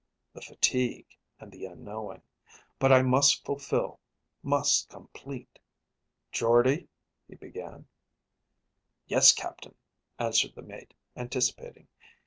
The fatigue and the unknowing. But I must fulfill, must complete. "Jordde," he began._ _"Yes, captain," answered the mate, anticipating.